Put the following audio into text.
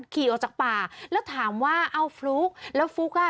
ขี่ออกจากป่าแล้วถามว่าเอาฟลุ๊กแล้วฟลุ๊กอ่ะ